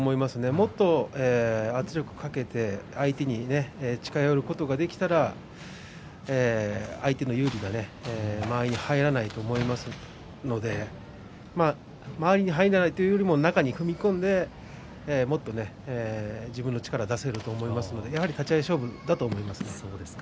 もっと圧力をかけて相手に近寄ることができれば相手の有利な間合いに入らないと思いますので間合いに入らないというよりも中に踏み込んで、もっと自分の力が出せると思いますから。